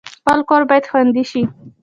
خپل کور باید خوندي شي